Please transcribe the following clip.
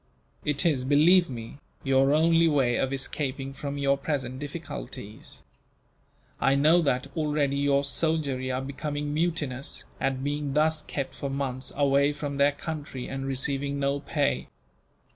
It is, believe me, your only way of escaping from your present difficulties. I know that, already, your soldiery are becoming mutinous at being thus kept, for months, away from their country, and receiving no pay.